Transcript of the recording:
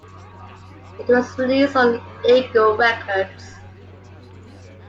It was released on Eagle Records.